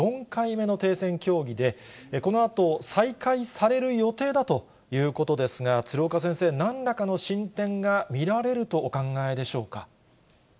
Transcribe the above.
４回目の停戦協議で、このあと再開される予定だということですが、鶴岡先生、なんらかの進展が見られるとお考えでしょうか？